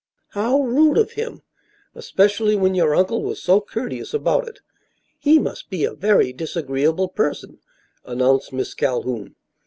'" "How rude of him, especially when your uncle was so courteous about it. He must be a very disagreeable person," announced Miss Calhoun.